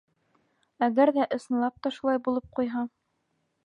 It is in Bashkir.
Әгәр ҙә ысынлап та шулай булып ҡуйһа?